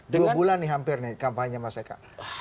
dua bulan nih hampir nih kampanye mas eka